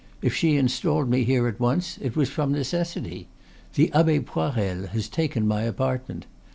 If she installed me here at once, it was from necessity. The Abbe Poirel has taken my apartment.